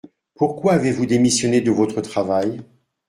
Pourquoi avez-vous démissionné de votre travail ?